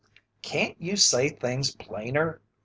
"Can't you say things plainer?"